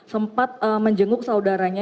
sempat menjenguk saudaranya